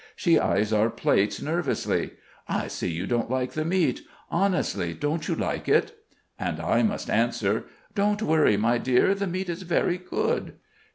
She eyes our plates nervously: "I see you don't like the meat?... Honestly, don't you like it?" And I must answer, "Don't worry, my dear. The meat is very good."